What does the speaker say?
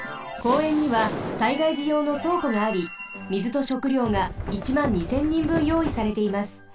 公園には災害じようのそうこがあり水と食料が１２０００人分よういされています。